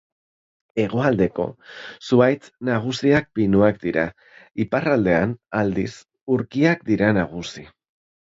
Hegoaldeko zuhaitz nagusiak pinuak dira; iparraldean, aldiz, urkiak dira nagusi.